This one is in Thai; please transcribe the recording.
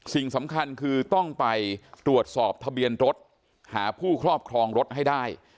สิ่งสำคัญคือต้องไปตรวจสอบทะเบียนรถหาผู้ครอบครองรถให้ได้